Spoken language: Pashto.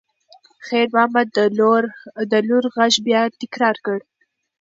خیر محمد د لور غږ بیا تکرار کړ.